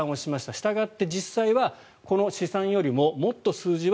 したがって実際はこの試算よりももっと低い数字に